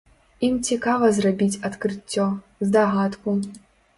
Ім цікава зрабіць адкрыццё, здагадку.